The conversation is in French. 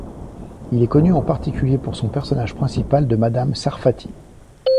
Il est connu en particulier pour son personnage principal de Madame Sarfati.